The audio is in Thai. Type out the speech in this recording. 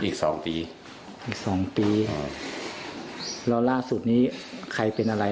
อีกสองปีอีกสองปีค่ะแล้วล่าสุดนี้ใครเป็นอะไร